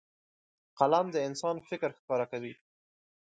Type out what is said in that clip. قلم د انسان فکر ښکاره کوي